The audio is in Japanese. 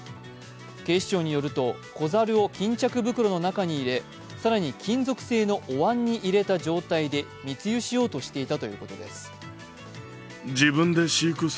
警視庁によると、子猿を巾着袋の中に入れ、更に金属製のおわんに入れた状態で密輸しようとしていたということです。